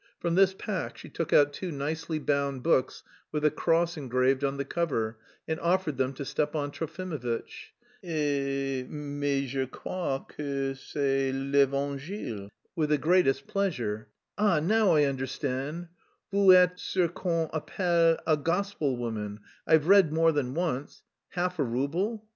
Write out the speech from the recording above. From this pack she took out two nicely bound books with a cross engraved on the cover, and offered them to Stepan Trofimovitch. "Et... mais je crois que c'est l'Evangile... with the greatest pleasure.... Ah, now I understand.... Vous êtes ce qu'on appelle a gospel woman; I've read more than once.... Half a rouble?"